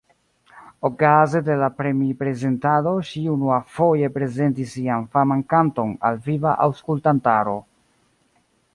Okaze de la premi-prezentado ŝi unuafoje prezentis sian faman kanton al viva aŭskultantaro.